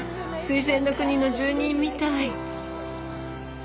水仙の国の住人みたい。